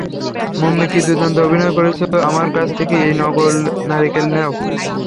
Mummy কী দুর্দান্ত অভিনয় করেছো, আমার কাছ থেকে এই নকল নারকেল নেও।